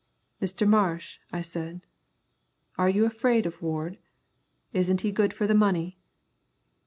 "Mister Marsh," I said, "are you afraid of Ward? Isn't he good for the money?"